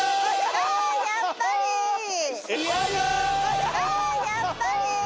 あっやっぱり！